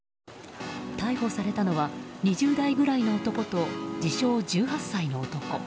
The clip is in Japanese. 逮捕されたのは２０代ぐらいの男と自称１８歳の男。